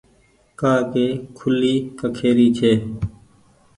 ڪآ ڪي کوُلي ڪکي ري ڇي